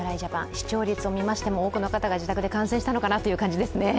視聴率を見ましても多くの方が自宅で観戦したのかなという感じですね。